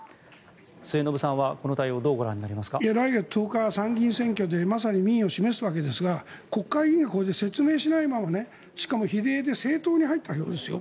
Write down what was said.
末延さんはこの対応どうご覧になりますか？来月１０日参議院選挙でまさに民意を示すわけですが国会議員これで説明しないまましかも比例で政党に入った票ですよ。